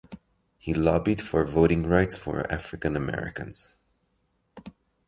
He lobbied for voting rights for African Americans.